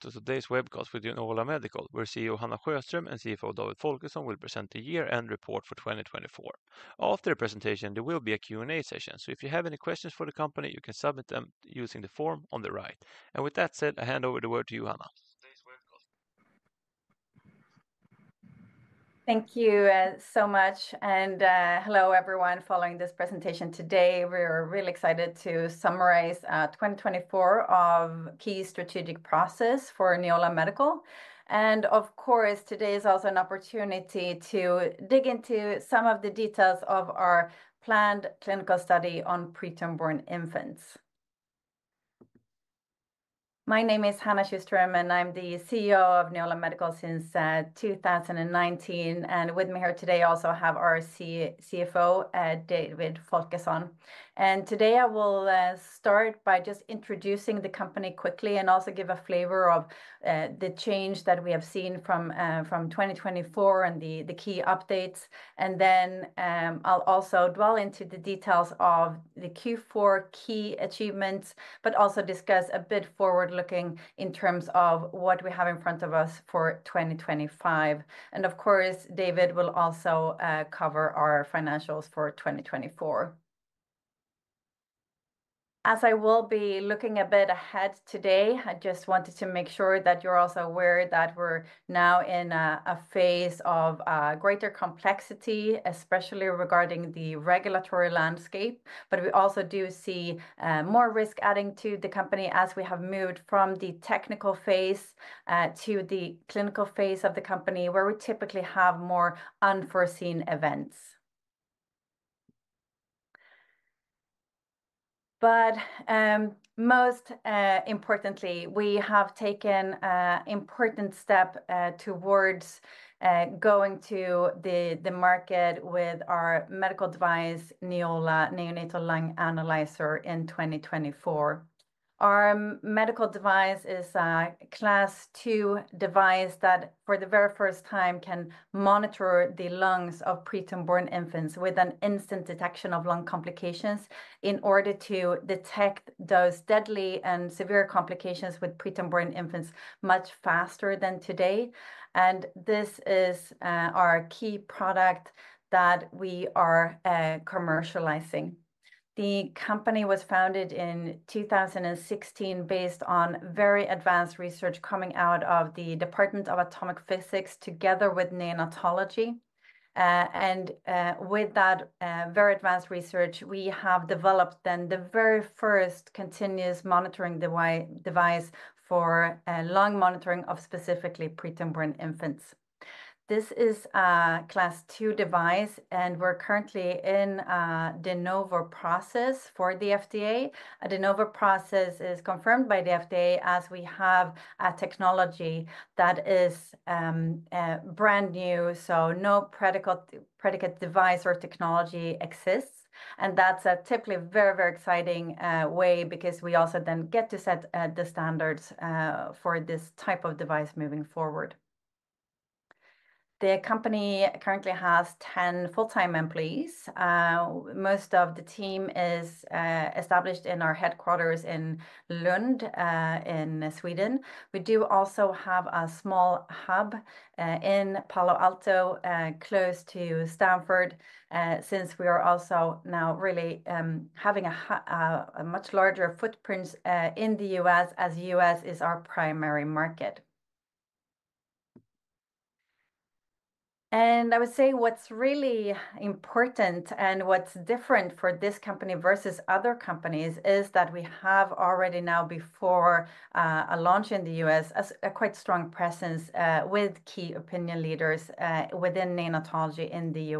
This is today's webcast with Neola Medical, where CEO Hanna Sjöström and CFO David Folkesson will present the year-end report for 2024. After the presentation, there will be a Q&A session, so if you have any questions for the company, you can submit them using the form on the right. With that said, I hand over the word to you, Hanna. Thank you so much. Hello, everyone following this presentation today. We are really excited to summarize 2024 as a key strategic process for Neola Medical. Of course, today is also an opportunity to dig into some of the details of our planned clinical study on preterm-born infants. My name is Hanna Sjöström, and I'm the CEO of Neola Medical since 2019. With me here today, I also have our CFO, David Folkesson. Today, I will start by just introducing the company quickly and also give a flavor of the change that we have seen from 2024 and the key updates. I will also dwell into the details of the Q4 key achievements, but also discuss a bit forward-looking in terms of what we have in front of us for 2025. David will also cover our financials for 2024. As I will be looking a bit ahead today, I just wanted to make sure that you're also aware that we're now in a phase of greater complexity, especially regarding the regulatory landscape. We also do see more risk adding to the company as we have moved from the technical phase to the clinical phase of the company, where we typically have more unforeseen events. Most importantly, we have taken an important step towards going to the market with our medical device, Neola Neonatal Lung Analyzer, in 2024. Our medical device is a Class II device that, for the very first time, can monitor the lungs of preterm-born infants with an instant detection of lung complications in order to detect those deadly and severe complications with preterm-born infants much faster than today. This is our key product that we are commercializing. The company was founded in 2016 based on very advanced research coming out of the Department of Atomic Physics together with Neonatology. With that very advanced research, we have developed then the very first continuous monitoring device for lung monitoring of specifically preterm-born infants. This is a Class II device, and we're currently in a de novo process for the FDA. A de novo process is confirmed by the FDA as we have a technology that is brand new, so no predicate device or technology exists. That is a typically very, very exciting way because we also then get to set the standards for this type of device moving forward. The company currently has 10 full-time employees. Most of the team is established in our headquarters in Lund in Sweden. We do also have a small hub in Palo Alto, close to Stanford, since we are also now really having a much larger footprint in the U.S. as the U.S. is our primary market. I would say what's really important and what's different for this company versus other companies is that we have already now, before a launch in the U.S., a quite strong presence with key opinion leaders within neonatology in the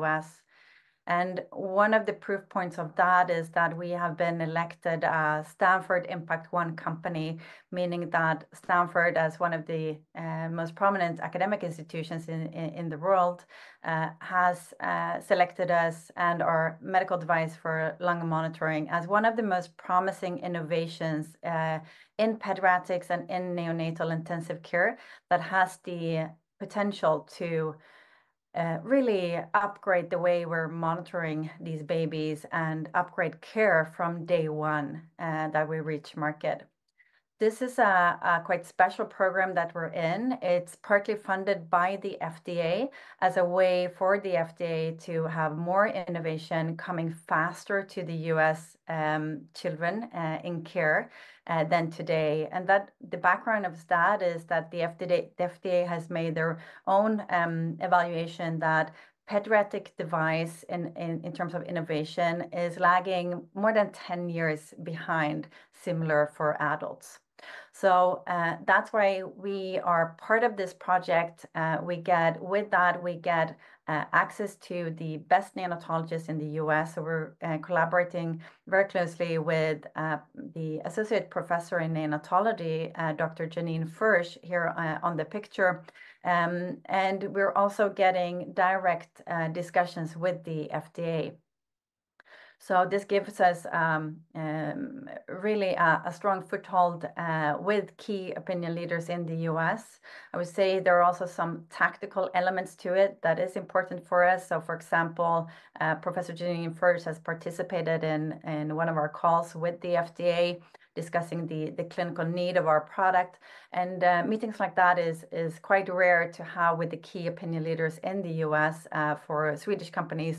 U.S. One of the proof points of that is that we have been elected a Stanford Impact1 company, meaning that Stanford, as one of the most prominent academic institutions in the world, has selected us and our medical device for lung monitoring as one of the most promising innovations in pediatrics and in neonatal intensive care that has the potential to really upgrade the way we're monitoring these babies and upgrade care from day one that we reach market. This is a quite special program that we're in. It is partly funded by the FDA as a way for the FDA to have more innovation coming faster to the U.S. children in care than today. The background of that is that the FDA has made their own evaluation that pediatric device in terms of innovation is lagging more than 10 years behind similar for adults. That is why we are part of this project. With that, we get access to the best neonatologists in the U.S. We are collaborating very closely with the Associate Professor in Neonatology, Dr. Janine Fuetsch, here on the picture. We are also getting direct discussions with the FDA. This gives us really a strong foothold with key opinion leaders in the U.S. I would say there are also some tactical elements to it that are important for us. For example, Professor Janine Fuetsch has participated in one of our calls with the FDA discussing the clinical need of our product. Meetings like that are quite rare to have with the key opinion leaders in the U.S. for Swedish companies.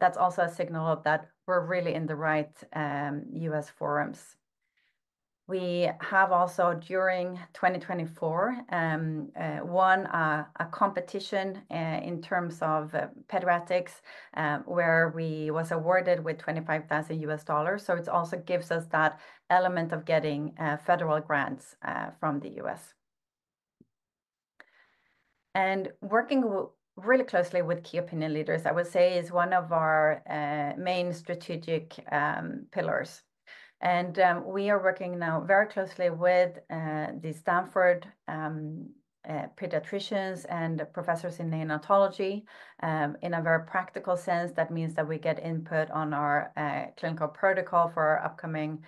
That is also a signal that we are really in the right U.S. forums. We have also during 2024 won a competition in terms of pediatrics where we were awarded with $25,000. It also gives us that element of getting federal grants from the U.S. Working really closely with key opinion leaders, I would say, is one of our main strategic pillars. We are working now very closely with the Stanford pediatricians and professors in neonatology in a very practical sense. That means that we get input on our clinical protocol for our upcoming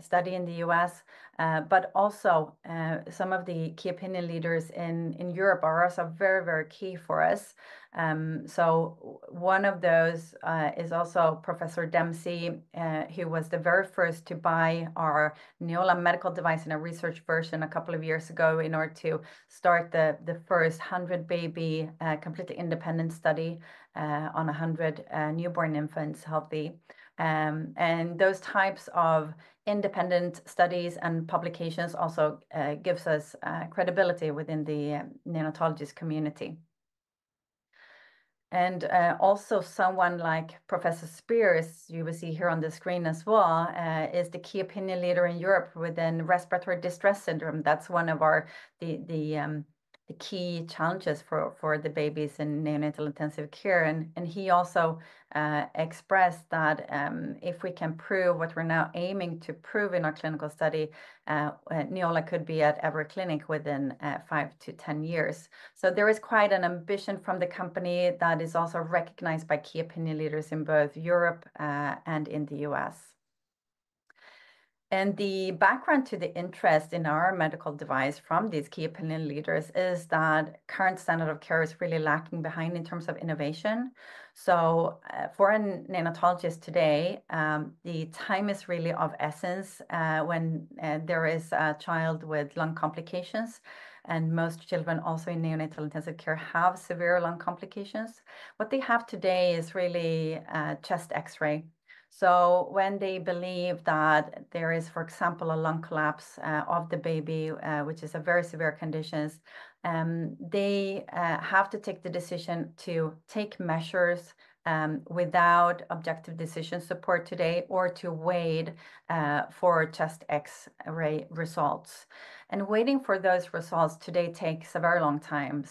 study in the U.S. Some of the key opinion leaders in Europe are also very, very key for us. One of those is also Professor Dempsey, who was the very first to buy our Neola Medical device in a research version a couple of years ago in order to start the first 100-baby completely independent study on 100 newborn infants healthy. Those types of independent studies and publications also give us credibility within the neonatologist community. Someone like Professor Speer, you will see here on the screen as well, is the key opinion leader in Europe within respiratory distress syndrome. That is one of the key challenges for the babies in neonatal intensive care. He also expressed that if we can prove what we are now aiming to prove in our clinical study, Neola could be at every clinic within 5-10 years. There is quite an ambition from the company that is also recognized by key opinion leaders in both Europe and in the U.S. The background to the interest in our medical device from these key opinion leaders is that the current standard of care is really lagging behind in terms of innovation. For neonatologists today, the time is really of essence when there is a child with lung complications. Most children also in neonatal intensive care have severe lung complications. What they have today is really a chest X-ray. When they believe that there is, for example, a lung collapse of the baby, which is a very severe condition, they have to take the decision to take measures without objective decision support today or to wait for chest X-ray results. Waiting for those results today takes a very long time.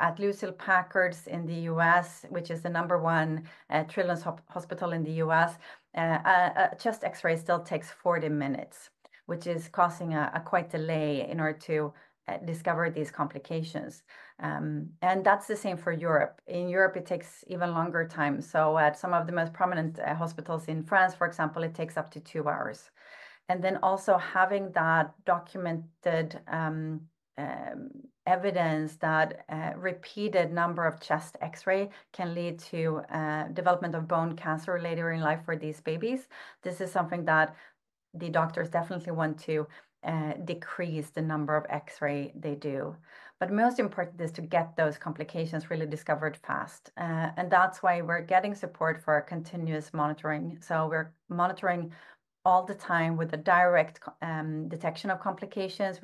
At Lucille Packard in the U.S., which is the number one treatment hospital in the U.S., a chest X-ray still takes 40 minutes, which is causing quite a delay in order to discover these complications. That is the same for Europe. In Europe, it takes even longer time. At some of the most prominent hospitals in France, for example, it takes up to two hours. Also, having that documented evidence that a repeated number of chest X-rays can lead to the development of bone cancer later in life for these babies, this is something that the doctors definitely want to decrease the number of X-rays they do. Most important is to get those complications really discovered fast. That is why we are getting support for continuous monitoring. We are monitoring all the time with a direct detection of complications.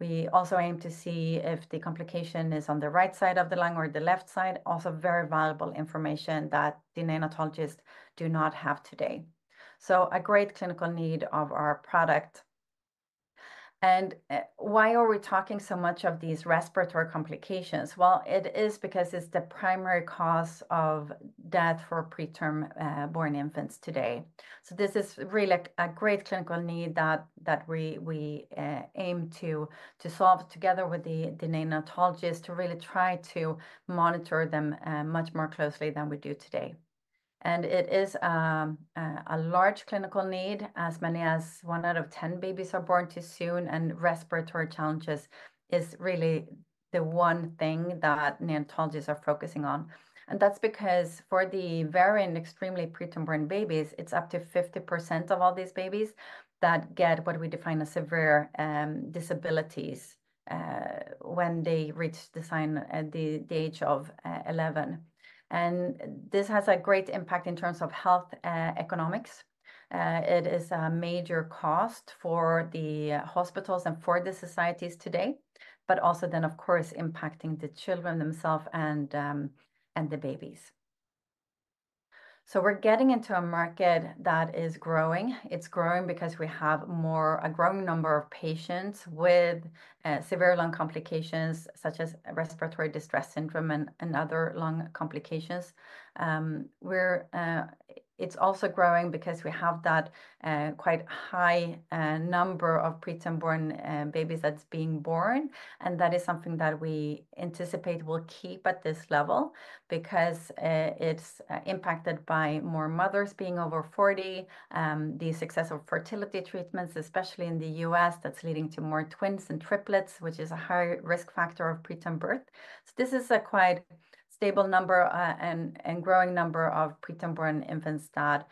We also aim to see if the complication is on the right side of the lung or the left side, also very valuable information that the neonatologists do not have today. A great clinical need of our product. Why are we talking so much about these respiratory complications? It is because it's the primary cause of death for preterm-born infants today. This is really a great clinical need that we aim to solve together with the neonatologists to really try to monitor them much more closely than we do today. It is a large clinical need. As many as 1 out of 10 babies are born too soon, and respiratory challenges are really the one thing that neonatologists are focusing on. That's because for the very extremely preterm-born babies, it's up to 50% of all these babies that get what we define as severe disabilities when they reach the age of 11. This has a great impact in terms of health economics. It is a major cost for the hospitals and for the societies today, but also then, of course, impacting the children themselves and the babies. We're getting into a market that is growing. It's growing because we have a growing number of patients with severe lung complications such as respiratory distress syndrome and other lung complications. It's also growing because we have that quite high number of preterm-born babies that's being born. That is something that we anticipate will keep at this level because it's impacted by more mothers being over 40, the success of fertility treatments, especially in the U.S., that's leading to more twins and triplets, which is a high risk factor of preterm birth. This is a quite stable number and growing number of preterm-born infants that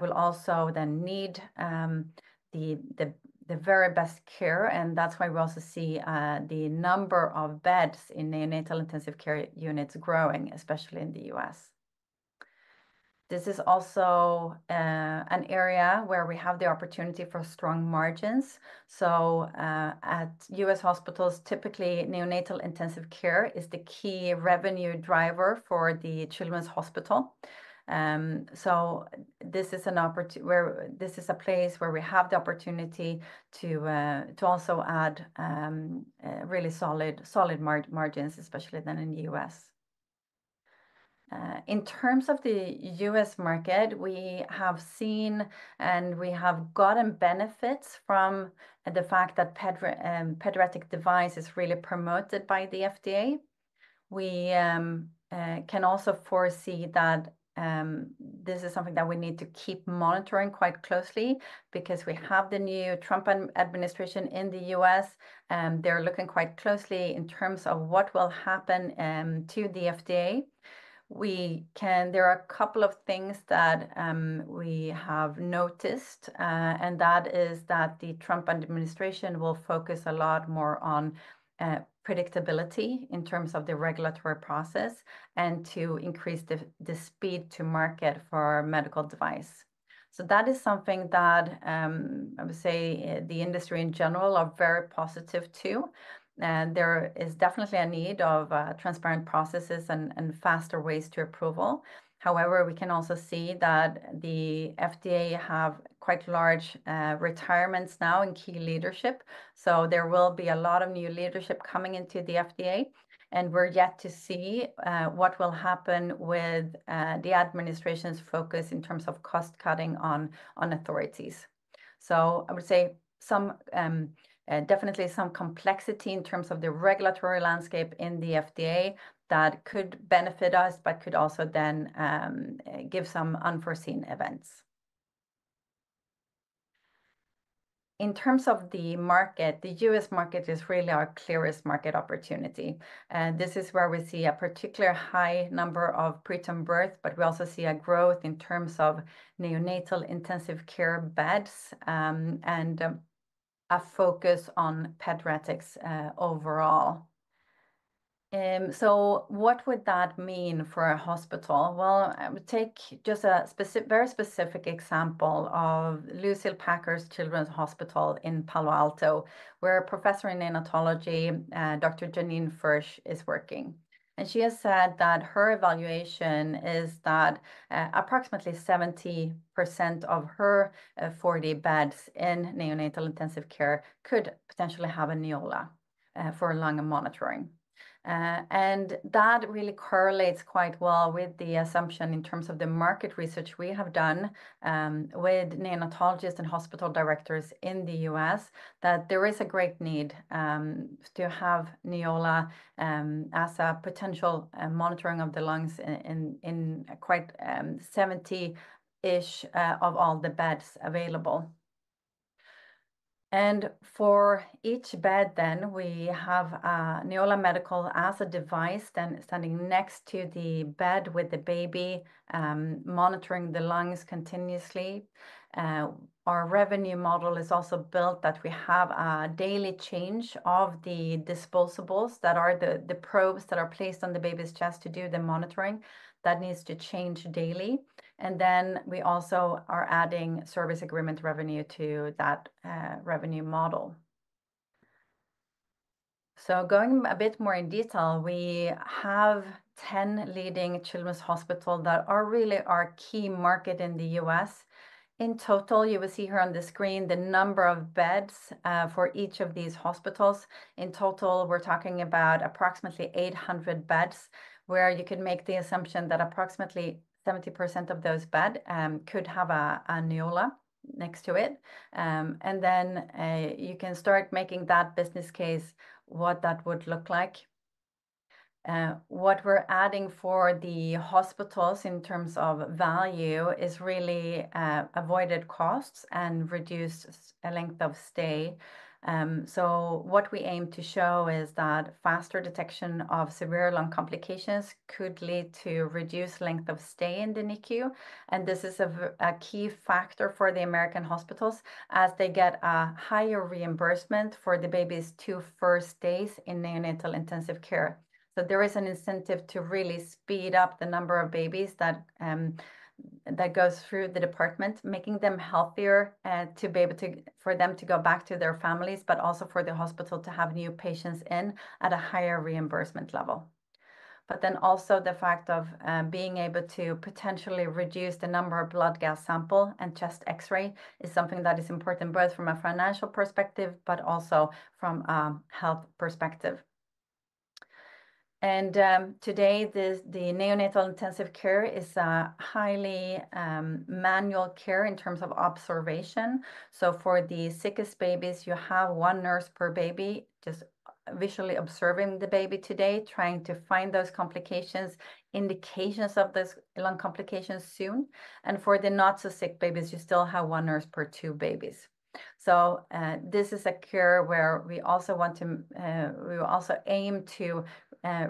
will also then need the very best care. That's why we also see the number of beds in neonatal intensive care units growing, especially in the U.S. This is also an area where we have the opportunity for strong margins. At US hospitals, typically, neonatal intensive care is the key revenue driver for the children's hospital. This is an opportunity where this is a place where we have the opportunity to also add really solid margins, especially then in the US. In terms of the US market, we have seen and we have gotten benefits from the fact that pediatric devices are really promoted by the FDA. We can also foresee that this is something that we need to keep monitoring quite closely because we have the new Trump administration in the US. They're looking quite closely in terms of what will happen to the FDA. There are a couple of things that we have noticed, and that is that the Trump administration will focus a lot more on predictability in terms of the regulatory process and to increase the speed to market for medical device. That is something that I would say the industry in general is very positive to. There is definitely a need for transparent processes and faster ways to approval. However, we can also see that the FDA has quite large retirements now in key leadership. There will be a lot of new leadership coming into the FDA. We are yet to see what will happen with the administration's focus in terms of cost-cutting on authorities. I would say definitely some complexity in terms of the regulatory landscape in the FDA that could benefit us but could also then give some unforeseen events. In terms of the market, the U.S. market is really our clearest market opportunity. This is where we see a particular high number of preterm births, but we also see a growth in terms of neonatal intensive care beds and a focus on pediatrics overall. What would that mean for a hospital? Take just a very specific example of Lucille Packard Children's Hospital in Palo Alto, where a professor in neonatology, Dr. Janine Fuetsch, is working. She has said that her evaluation is that approximately 70% of her 40 beds in neonatal intensive care could potentially have a Neola for lung monitoring. That really correlates quite well with the assumption in terms of the market research we have done with neonatologists and hospital directors in the U.S. that there is a great need to have Neola as a potential monitoring of the lungs in quite 70% of all the beds available. For each bed, then, we have a Neola Medical as a device standing next to the bed with the baby monitoring the lungs continuously. Our revenue model is also built that we have a daily change of the disposables that are the probes that are placed on the baby's chest to do the monitoring that needs to change daily. We also are adding service agreement revenue to that revenue model. Going a bit more in detail, we have 10 leading children's hospitals that are really our key market in the U.S. In total, you will see here on the screen the number of beds for each of these hospitals. In total, we're talking about approximately 800 beds where you can make the assumption that approximately 70% of those beds could have a Neola next to it. You can start making that business case what that would look like. What we're adding for the hospitals in terms of value is really avoided costs and reduced length of stay. What we aim to show is that faster detection of severe lung complications could lead to reduced length of stay in the NICU. This is a key factor for the American hospitals as they get a higher reimbursement for the baby's two first days in neonatal intensive care. There is an incentive to really speed up the number of babies that go through the department, making them healthier to be able to for them to go back to their families, but also for the hospital to have new patients in at a higher reimbursement level. The fact of being able to potentially reduce the number of blood gas samples and chest X-ray is something that is important both from a financial perspective but also from a health perspective. Today, the neonatal intensive care is a highly manual care in terms of observation. For the sickest babies, you have one nurse per baby just visually observing the baby today, trying to find those complications, indications of those lung complications soon. For the not-so-sick babies, you still have one nurse per two babies. This is a care where we also want to, we also aim to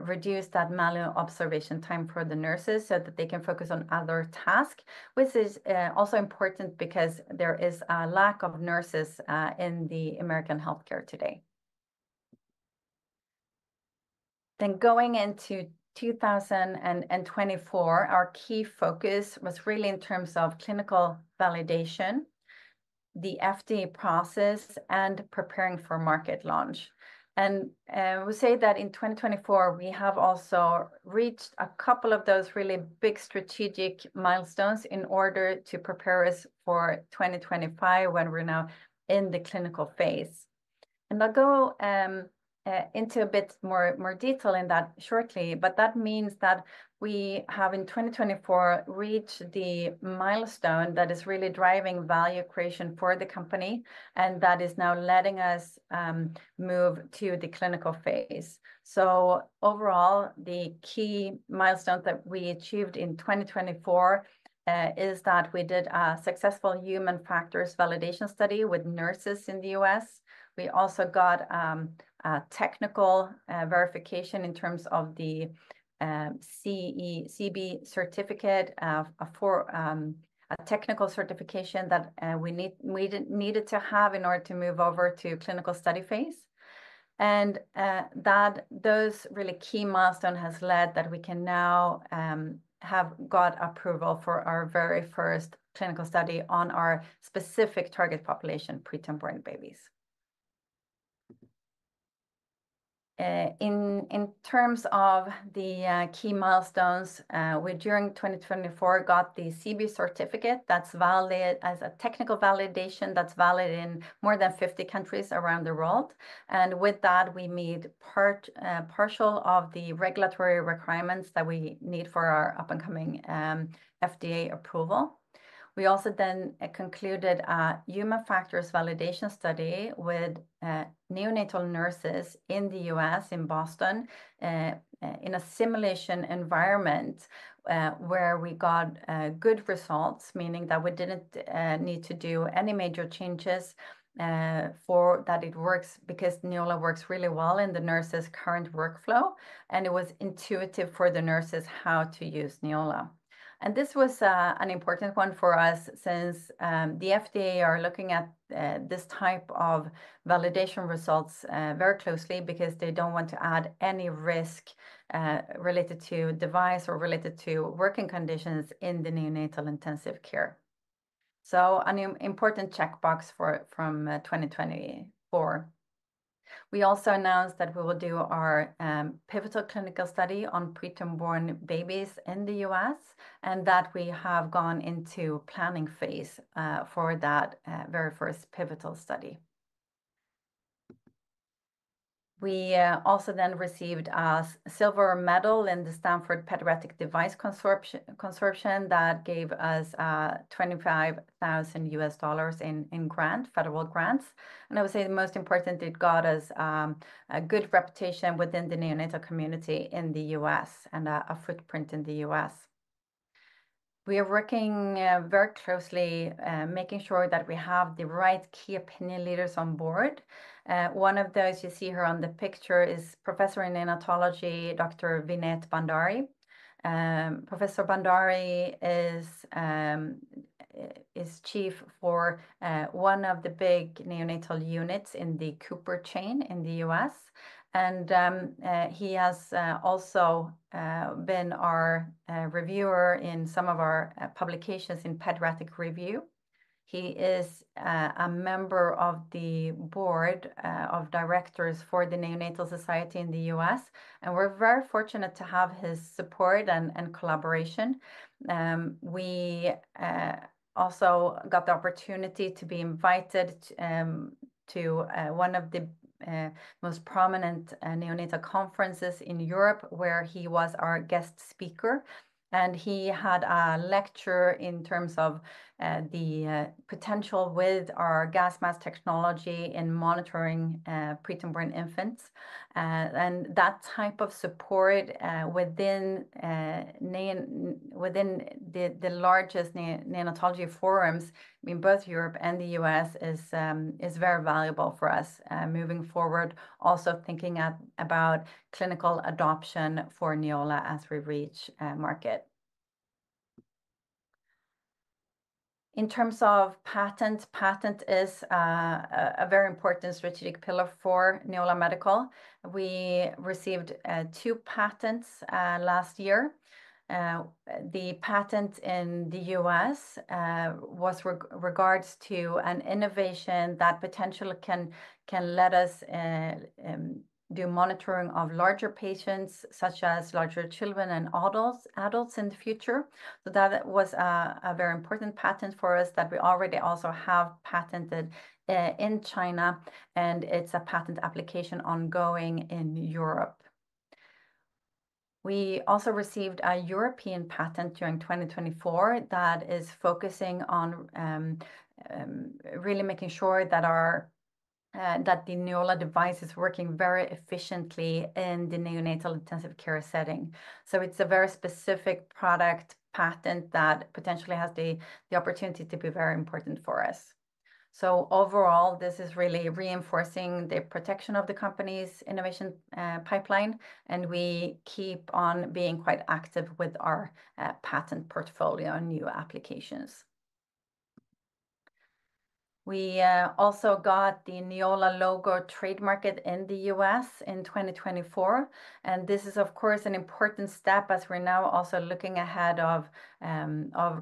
reduce that manual observation time for the nurses so that they can focus on other tasks, which is also important because there is a lack of nurses in the American healthcare today. Going into 2024, our key focus was really in terms of clinical validation, the FDA process, and preparing for market launch. We say that in 2024, we have also reached a couple of those really big strategic milestones in order to prepare us for 2025 when we're now in the clinical phase. I'll go into a bit more detail in that shortly, but that means that we have in 2024 reached the milestone that is really driving value creation for the company and that is now letting us move to the clinical phase. Overall, the key milestones that we achieved in 2024 is that we did a successful human factors validation study with nurses in the U.S. We also got technical verification in terms of the CB certificate, a technical certification that we needed to have in order to move over to clinical study phase. Those really key milestones have led to that we can now have got approval for our very first clinical study on our specific target population, preterm-born babies. In terms of the key milestones, we during 2024 got the CB certificate that's valid as a technical validation that's valid in more than 50 countries around the world. With that, we meet partial of the regulatory requirements that we need for our up-and-coming FDA approval. We also then concluded a human factors validation study with neonatal nurses in the U.S. in Boston in a simulation environment where we got good results, meaning that we didn't need to do any major changes for that. It works because Neola works really well in the nurses' current workflow, and it was intuitive for the nurses how to use Neola. This was an important one for us since the FDA are looking at this type of validation results very closely because they don't want to add any risk related to device or related to working conditions in the neonatal intensive care. An important checkbox from 2024. We also announced that we will do our pivotal clinical study on preterm-born babies in the U.S. and that we have gone into planning phase for that very first pivotal study. We also then received a silver medal in the Stanford Pediatric Device Consortium that gave us $25,000 in grants, federal grants. I would say the most important, it got us a good reputation within the neonatal community in the U.S. and a footprint in the U.S. We are working very closely making sure that we have the right key opinion leaders on board. One of those you see here on the picture is Professor in Neonatology, Dr. Vineet Bhandari. Professor Bhandari is Chief for one of the big neonatal units in the Cooper chain in the U.S. He has also been our reviewer in some of our publications in Pediatric Review. He is a member of the board of directors for the Neonatal Society in the U.S. We are very fortunate to have his support and collaboration. We also got the opportunity to be invited to one of the most prominent neonatal conferences in Europe where he was our guest speaker. He had a lecture in terms of the potential with our GASMAS technology in monitoring preterm-born infants. That type of support within the largest neonatology forums in both Europe and the U.S. is very valuable for us moving forward, also thinking about clinical adoption for Neola as we reach market. In terms of patent, patent is a very important strategic pillar for Neola Medical. We received two patents last year. The patent in the U.S. was regards to an innovation that potentially can let us do monitoring of larger patients, such as larger children and adults in the future. That was a very important patent for us that we already also have patented in China, and it's a patent application ongoing in Europe. We also received a European patent during 2024 that is focusing on really making sure that the Neola device is working very efficiently in the neonatal intensive care setting. It is a very specific product patent that potentially has the opportunity to be very important for us. Overall, this is really reinforcing the protection of the company's innovation pipeline, and we keep on being quite active with our patent portfolio and new applications. We also got the Neola logo trademarked in the U.S. in 2024. This is, of course, an important step as we're now also looking ahead of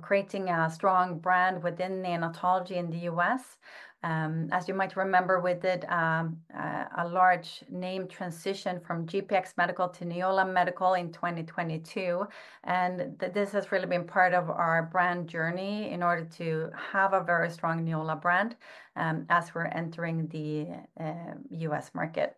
creating a strong brand within neonatology in the U.S. As you might remember, we did a large name transition from GPX Medical to Neola Medical in 2022. This has really been part of our brand journey in order to have a very strong Neola brand as we're entering the U.S. market.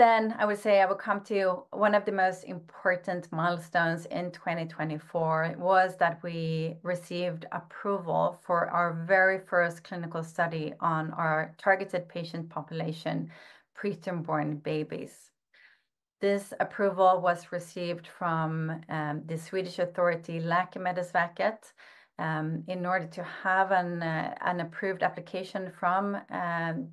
I would say I will come to one of the most important milestones in 2024 was that we received approval for our very first clinical study on our targeted patient population, preterm-born babies. This approval was received from the Swedish authority, Läkemedelsverket, in order to have an approved application from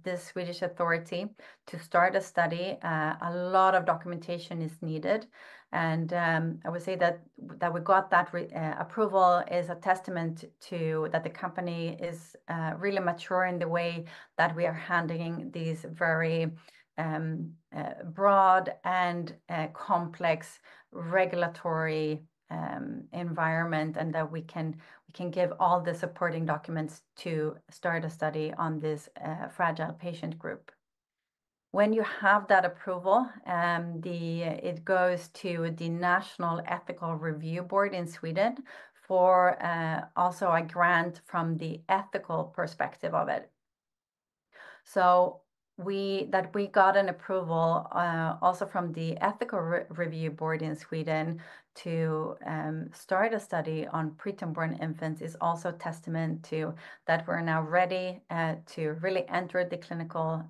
the Swedish authority to start a study. A lot of documentation is needed. I would say that we got that approval is a testament to that the company is really mature in the way that we are handling these very broad and complex regulatory environment and that we can give all the supporting documents to start a study on this fragile patient group. When you have that approval, it goes to the National Ethical Review Board in Sweden for also a grant from the ethical perspective of it. That we got an approval also from the Ethical Review Board in Sweden to start a study on preterm-born infants is also a testament to that we're now ready to really enter the clinical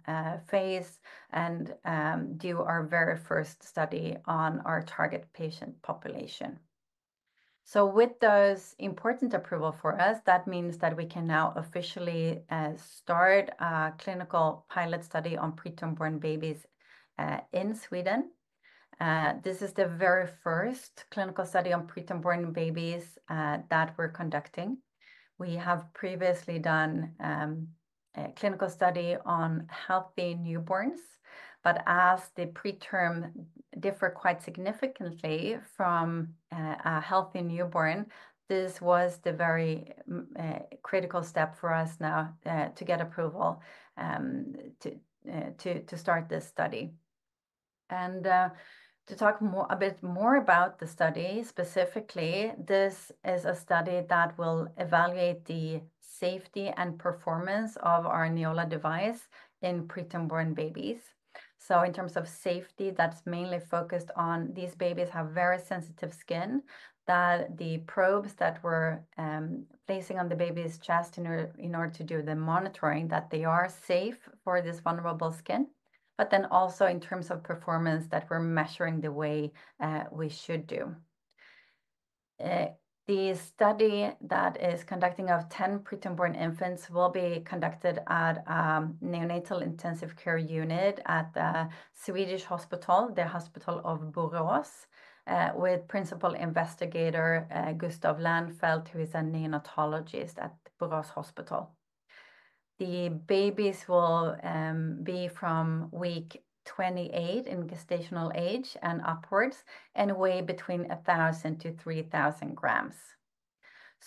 phase and do our very first study on our target patient population. With those important approvals for us, that means that we can now officially start a clinical pilot study on preterm-born babies in Sweden. This is the very first clinical study on preterm-born babies that we're conducting. We have previously done a clinical study on healthy newborns, but as the preterm differ quite significantly from a healthy newborn, this was the very critical step for us now to get approval to start this study. To talk a bit more about the study specifically, this is a study that will evaluate the safety and performance of our Neola device in preterm-born babies. In terms of safety, that's mainly focused on these babies have very sensitive skin that the probes that we're placing on the baby's chest in order to do the monitoring that they are safe for this vulnerable skin, but then also in terms of performance that we're measuring the way we should do. The study that is conducting of 10 preterm-born infants will be conducted at a neonatal intensive care unit at the Swedish hospital, the Hospital of Borås, with principal investigator Gustav Lönnfeldt, who is a neonatologist at Borås Hospital. The babies will be from week 28 in gestational age and upwards and weigh between 1,000-3,000 grams.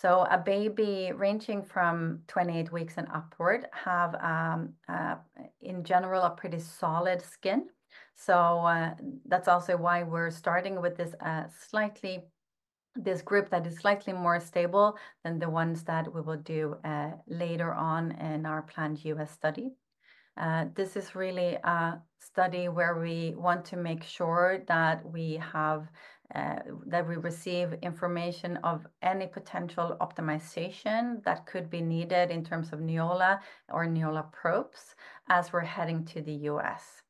A baby ranging from 28 weeks and upward has, in general, a pretty solid skin. That is also why we're starting with this group that is slightly more stable than the ones that we will do later on in our planned U.S. study. This is really a study where we want to make sure that we receive information of any potential optimization that could be needed in terms of Neola or Neola probes as we're heading to the U.S.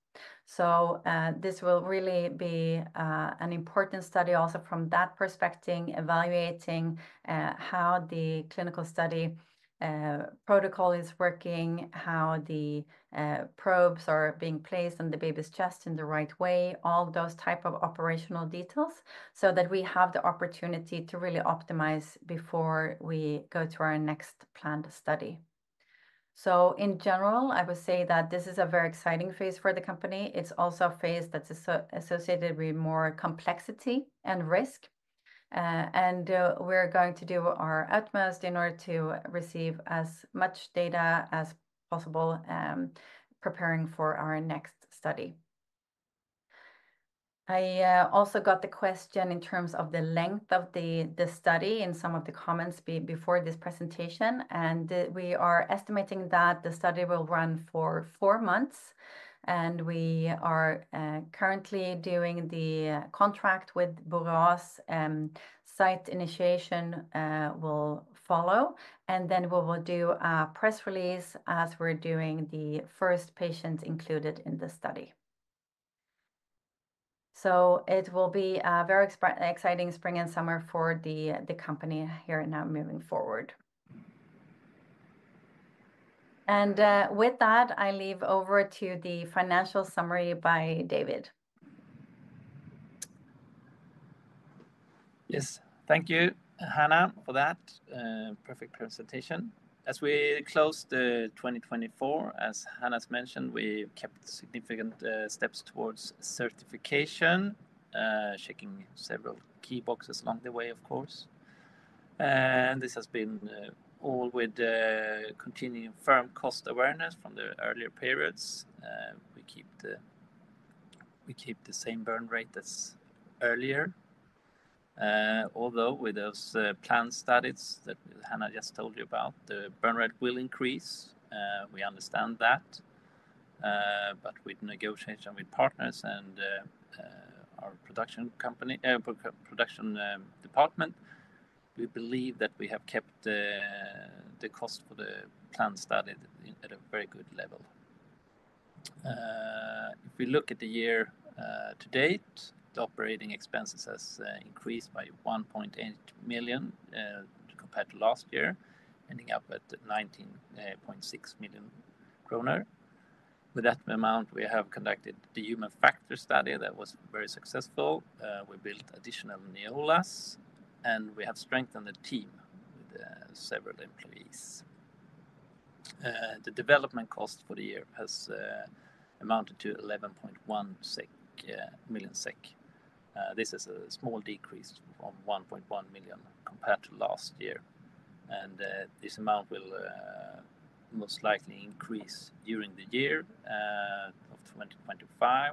This will really be an important study also from that perspective, evaluating how the clinical study protocol is working, how the probes are being placed on the baby's chest in the right way, all those type of operational details so that we have the opportunity to really optimize before we go to our next planned study. In general, I would say that this is a very exciting phase for the company. It's also a phase that's associated with more complexity and risk. We're going to do our utmost in order to receive as much data as possible preparing for our next study. I also got the question in terms of the length of the study in some of the comments before this presentation. We are estimating that the study will run for four months. We are currently doing the contract with Borås, site initiation will follow. We will do a press release as we are doing the first patients included in the study. It will be a very exciting spring and summer for the company here and now moving forward. With that, I leave over to the financial summary by David. Yes, thank you, Hanna, for that perfect presentation. As we close the 2024, as Hanna's mentioned, we kept significant steps towards certification, checking several key boxes along the way, of course. This has been all with continuing firm cost awareness from the earlier periods. We keep the same burn rate as earlier. Although with those planned studies that Hanna just told you about, the burn rate will increase. We understand that. With negotiation with partners and our production department, we believe that we have kept the cost for the planned study at a very good level. If we look at the year to date, the operating expenses have increased by 1.8 million compared to last year, ending up at 19.6 million kronor. With that amount, we have conducted the human factors study that was very successful. We built additional Neolas, and we have strengthened the team with several employees. The development cost for the year has amounted to 11.1 million SEK. This is a small decrease from 1.1 million compared to last year. This amount will most likely increase during the year of 2025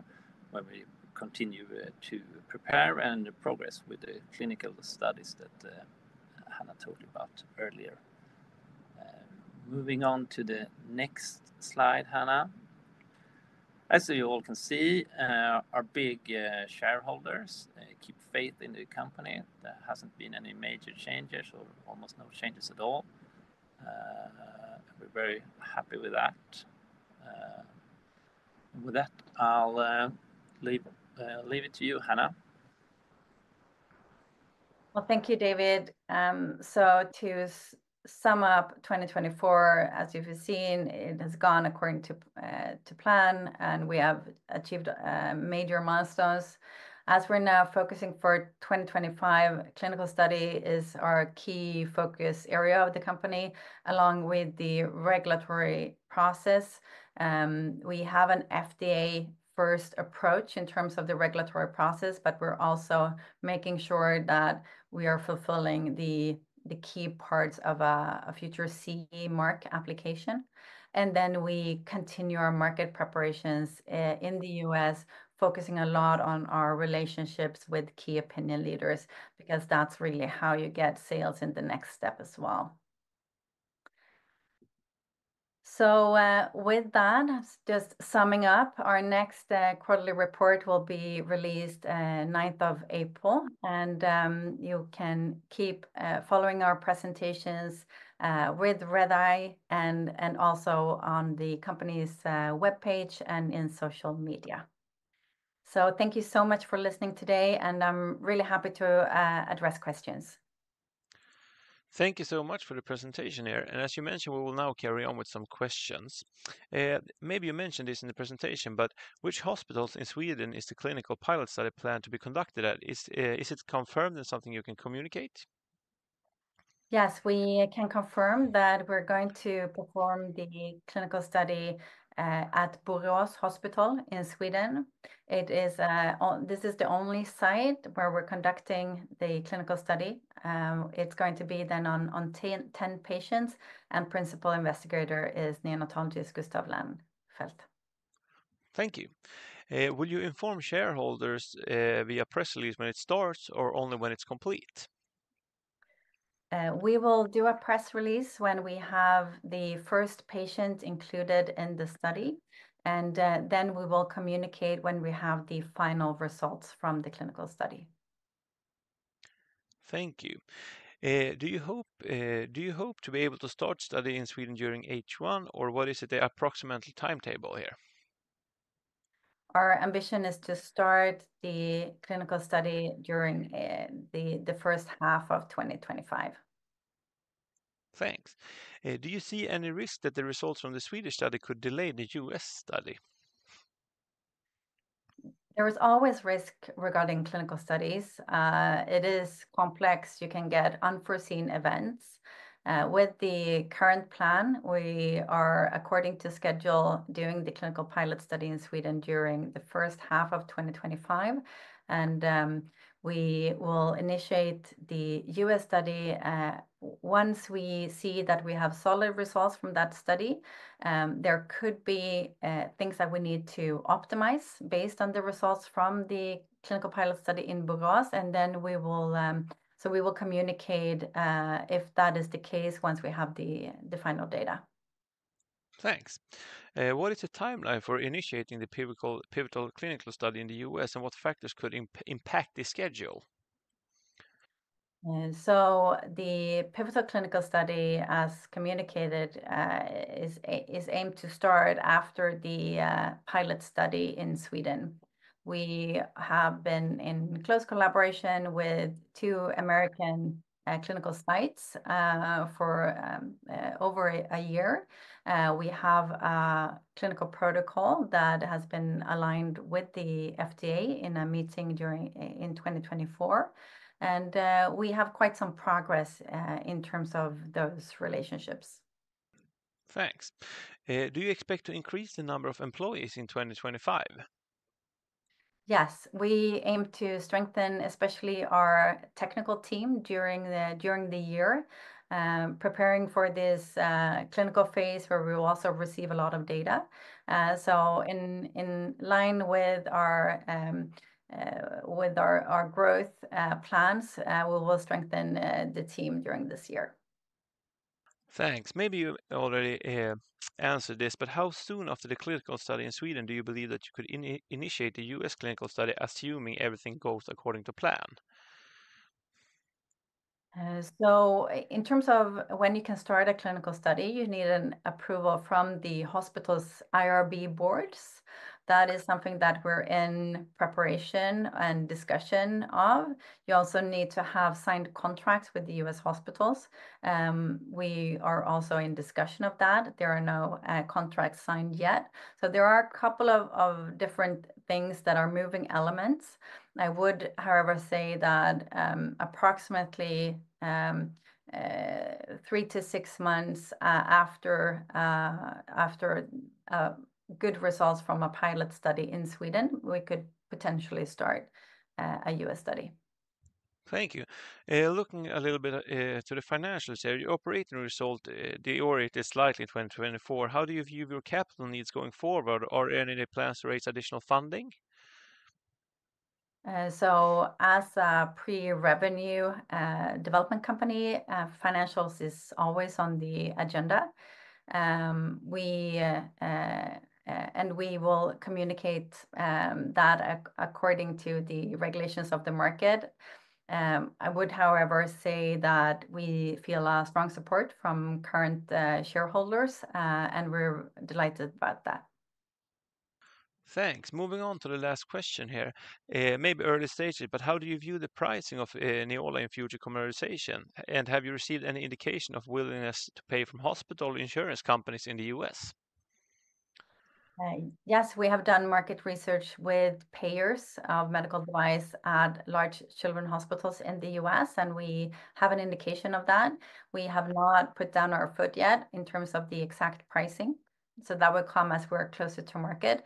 when we continue to prepare and progress with the clinical studies that Hanna told you about earlier. Moving on to the next slide, Hanna. As you all can see, our big shareholders keep faith in the company. There has not been any major changes or almost no changes at all. We are very happy with that. With that, I will leave it to you, Hanna. Thank you, David. To sum up 2024, as you have seen, it has gone according to plan, and we have achieved major milestones. As we are now focusing for 2025, clinical study is our key focus area of the company along with the regulatory process. We have an FDA-first approach in terms of the regulatory process, but we are also making sure that we are fulfilling the key parts of a future CE mark application. We continue our market preparations in the U.S., focusing a lot on our relationships with key opinion leaders because that is really how you get sales in the next step as well. With that, just summing up, our next quarterly report will be released 9th of April. You can keep following our presentations with Redeye and also on the company's webpage and in social media. Thank you so much for listening today, and I'm really happy to address questions. Thank you so much for the presentation here. As you mentioned, we will now carry on with some questions. Maybe you mentioned this in the presentation, but which hospitals in Sweden is the clinical pilot study planned to be conducted at? Is it confirmed and something you can communicate? Yes, we can confirm that we're going to perform the clinical study at Borås Hospital in Sweden. This is the only site where we're conducting the clinical study. It's going to be then on 10 patients, and principal investigator is neonatologist Gustav Lönnfeldt. Thank you. Will you inform shareholders via press release when it starts or only when it's complete? We will do a press release when we have the first patient included in the study, and then we will communicate when we have the final results from the clinical study. Thank you. Do you hope to be able to start studying in Sweden during H1, or what is the approximate timetable here? Our ambition is to start the clinical study during the first half of 2025. Thanks. Do you see any risk that the results from the Swedish study could delay the U.S. study? There is always risk regarding clinical studies. It is complex. You can get unforeseen events. With the current plan, we are, according to schedule, doing the clinical pilot study in Sweden during the first half of 2025. We will initiate the U.S. study once we see that we have solid results from that study. There could be things that we need to optimize based on the results from the clinical pilot study in Borås, and we will communicate if that is the case once we have the final data. Thanks. What is the timeline for initiating the pivotal clinical study in the U.S., and what factors could impact the schedule? The pivotal clinical study, as communicated, is aimed to start after the pilot study in Sweden. We have been in close collaboration with two American clinical sites for over a year. We have a clinical protocol that has been aligned with the FDA in a meeting in 2024. We have quite some progress in terms of those relationships. Thanks. Do you expect to increase the number of employees in 2025? Yes, we aim to strengthen especially our technical team during the year, preparing for this clinical phase where we will also receive a lot of data. In line with our growth plans, we will strengthen the team during this year. Thanks. Maybe you already answered this, but how soon after the clinical study in Sweden do you believe that you could initiate the U.S. clinical study assuming everything goes according to plan? In terms of when you can start a clinical study, you need an approval from the hospital's IRB boards. That is something that we're in preparation and discussion of. You also need to have signed contracts with the U.S. hospitals. We are also in discussion of that. There are no contracts signed yet. There are a couple of different things that are moving elements. I would, however, say that approximately three to six months after good results from a pilot study in Sweden, we could potentially start a U.S. study. Thank you. Looking a little bit to the financials here, your operating result deteriorated slightly in 2024. How do you view your capital needs going forward? Are there any plans to raise additional funding? As a pre-revenue development company, financials is always on the agenda. We will communicate that according to the regulations of the market. I would, however, say that we feel strong support from current shareholders, and we're delighted about that. Thanks. Moving on to the last question here. Maybe early stages, but how do you view the pricing of Neola in future commercialization? And have you received any indication of willingness to pay from hospital insurance companies in the U.S.? Yes, we have done market research with payers of medical device at large children's hospitals in the U.S., and we have an indication of that. We have not put down our foot yet in terms of the exact pricing. That will come as we're closer to market.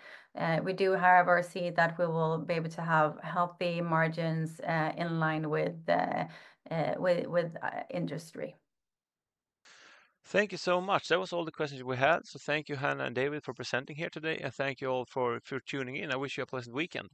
We do, however, see that we will be able to have healthy margins in line with industry. Thank you so much. That was all the questions we had. Thank you, Hanna and David, for presenting here today. Thank you all for tuning in. I wish you a pleasant weekend.